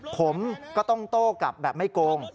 ผมก็ต้องโต้กลับแบบไม่โกง